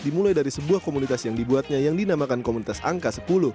dimulai dari sebuah komunitas yang dibuatnya yang dinamakan komunitas angka sepuluh